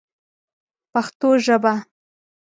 پښتو ژبه